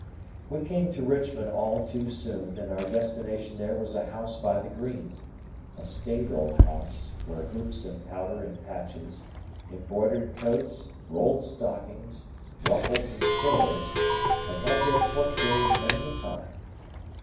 We came to Richmond all too soon, and our destination there was a house by the green,—a staid old house, where hoops and powder and patches, embroidered coats, rolled stockings, ruffles and swords, had had their court days many a time.